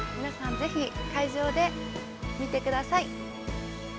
ぜひ会場で見てください。